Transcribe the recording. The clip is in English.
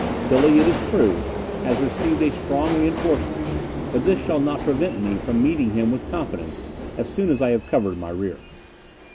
Tilly, it is true, has received a strong reinforcement; but this shall not prevent me from meeting him with confidence, as soon as I have covered my rear."